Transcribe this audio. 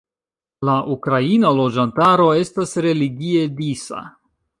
La ukraina loĝantaro estas religie disa.